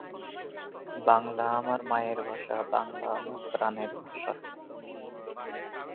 Test ম্যাচে, তিনি হানিফ মোহাম্মদের সাথে সক্রিয় পার্টনারশিপ গড়ে তোলেন।